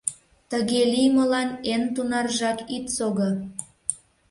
Тыге лиймылан эн тунаржак ит сого